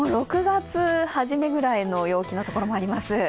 ６月初めくらい陽気のところもあります。